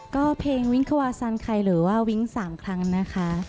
ก็เพลงวิ้งควาทราณไครยหรือว่าวิ้งค์สามครั้งนะคะ